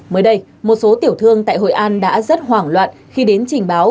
mới đây một số tiểu thương tại hội an đã rất hoảng loạn khi đến trình báo